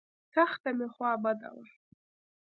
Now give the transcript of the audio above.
سخته مې خوا بده وه.